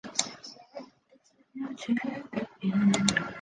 杭州医院列表列举位于杭州市的主要大型医院。